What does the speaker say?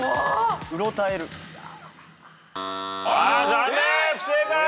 残念不正解！